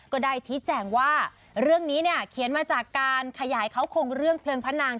ก็ได้ชี้แจงว่าเรื่องนี้เนี่ยเขียนมาจากการขยายเขาคงเรื่องเพลิงพระนาง